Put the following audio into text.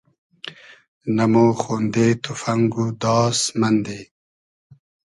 نۂ مۉ خۉندې توفئنگ و داس مئندی